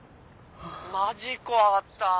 マジ怖かった！